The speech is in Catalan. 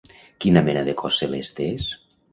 Quina mena de cos celeste és?